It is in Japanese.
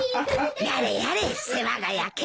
やれやれ世話が焼けるなあ。